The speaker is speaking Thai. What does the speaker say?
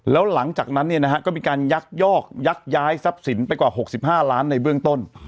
แล้วหลังจากนั้นก็มีการยักยอกยักย้ายทรัพย์สินไปกว่า๖๕ล้านในเบื้องต้น